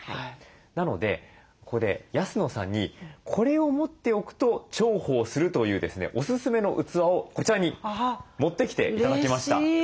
なのでここで安野さんにこれを持っておくと重宝するというですねおすすめの器をこちらに持ってきて頂きました。